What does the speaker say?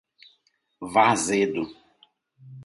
Varzedo